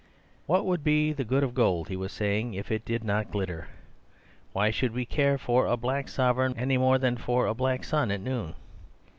"What would be the good of gold," he was saying, "if it did not glitter? Why should we care for a black sovereign any more than for a black sun at noon?